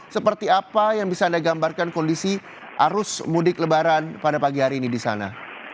seperti apa yang bisa anda gambarkan kondisi arus mudik lebaran pada pagi hari ini di sana